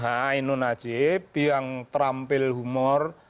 ainun najib yang terampil humor